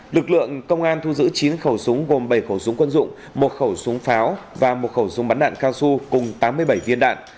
lực lượng công an thu giữ chín khẩu súng gồm bảy khẩu súng quân dụng một khẩu súng pháo và một khẩu súng bắn đạn cao su cùng tám mươi bảy viên đạn